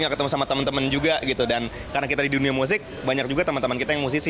karena kita di dunia musik banyak juga teman teman kita yang musisi